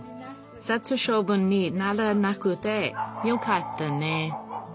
殺処分にならなくてよかったね。